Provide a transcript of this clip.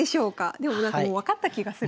でもなんかもう分かった気がする。